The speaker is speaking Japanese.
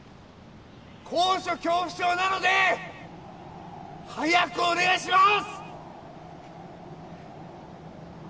高所恐怖症なので早くお願いします！